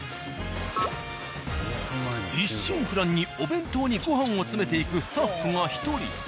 一心不乱にお弁当にご飯を詰めていくスタッフが１人。